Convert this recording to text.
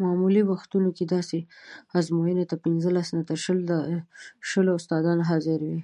معمولي وختونو کې داسې ازموینو ته پنځلس تر شلو استادان حاضر وي.